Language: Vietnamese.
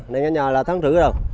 nên ở nhà là thắng thử rồi